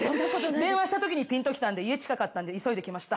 電話したときにピンときたんで家近かったんで急いで来ました。